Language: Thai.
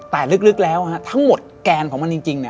แต่ลึกแล้วทั้งหมดแกนของมันจริง